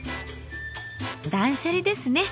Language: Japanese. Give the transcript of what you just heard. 断捨離ですね。